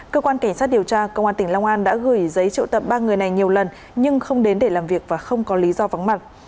cơ quan cảnh sát điều tra công an tỉnh long an đã gửi giấy triệu tập ba người này nhiều lần nhưng không đến để làm việc và không có lý do vắng mặt